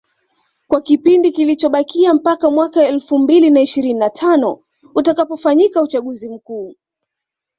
kwa kipindi kilichobakia mpaka mwaka elfu mbili na ishirini na tano utakapofanyika uchaguzi mkuu